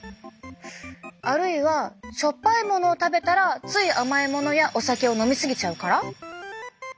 あるいはしょっぱいものを食べたらつい甘いものやお酒を飲み過ぎちゃうから？